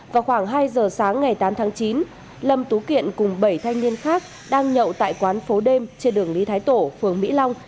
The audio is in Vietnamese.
vào khoảng hai giờ sáng ngày tám tháng chín lâm tú kiện cùng bảy thanh niên khác đang nhậu tại quán phố đêm trên đường lý thái tổ phường mỹ long